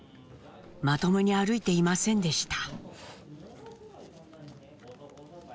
まともに歩いていませんでした。